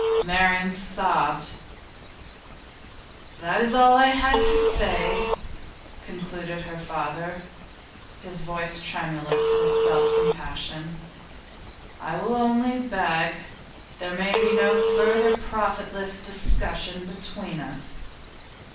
Marian sobbed. 'That's all I had to say,' concluded her father, his voice tremulous with self compassion. 'I will only beg that there may be no further profitless discussion between us.